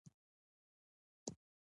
موږ بیرته بیکر سټریټ ته راغلو.